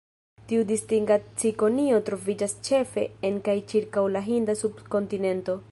Tiu distinga cikonio troviĝas ĉefe en kaj ĉirkaŭ la Hinda subkontinento.